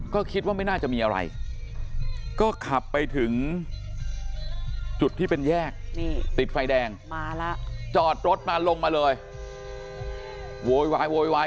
ก็คิดว่าไม่น่าจะมีอะไรก็ขับไปถึงจุดที่เป็นแยกนี่ติดไฟแดงมาแล้วจอดรถมาลงมาเลยโวยวายโวยวาย